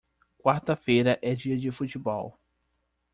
Quarta feira é dia de futebol.